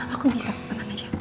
aku bisa tenang aja